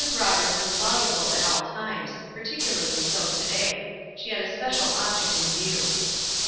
Roberts was voluble at all times — particularly so to day. She had a special object in view.